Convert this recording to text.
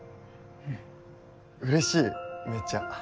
うれしいめっちゃ。